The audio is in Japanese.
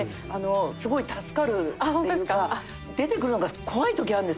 すごい助かるっていうか出てくるのが怖い時あるんですよ。